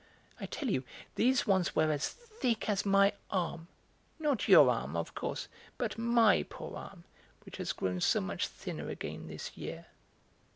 I tell you these ones were as thick as my arm. Not your arm, of course, but my poor arm, which has grown so much thinner again this year."